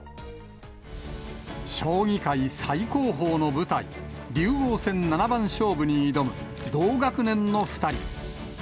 将棋界最高峰の舞台、竜王戦七番勝負に挑む、同学年の２人。